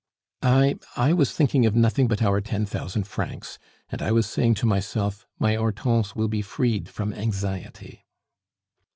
"I, I was thinking of nothing but our ten thousand francs, and I was saying to myself, 'My Hortense will be freed from anxiety.